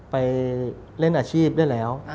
ไปเล่นอาชีพได้แล้ว